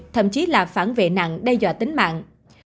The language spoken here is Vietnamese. thậm chí là phản vệ nặng đe dọa tính mạng